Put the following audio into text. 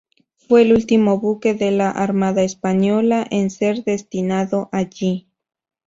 Fue el último buque de la Armada Española en ser destinado allí.